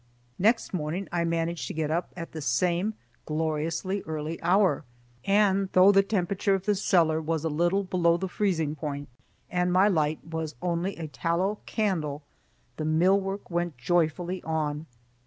Next morning I managed to get up at the same gloriously early hour, and though the temperature of the cellar was a little below the freezing point, and my light was only a tallow candle the mill work went joyfully on.